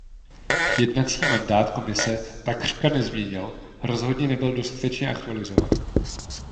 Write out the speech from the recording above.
Jednací mandát Komise takřka nezměnil, rozhodně nebyl dostatečně aktualizovaný.